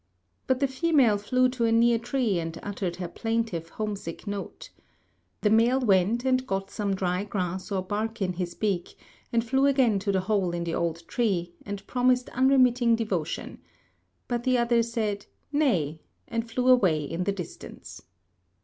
But the female flew to a near tree and uttered her plaintive, homesick note. The male went and got some dry grass or bark in his beak and flew again to the hole in the old tree, and promised unremitting devotion; but the other said "Nay," and flew away in the distance.